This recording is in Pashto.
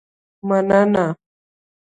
مننه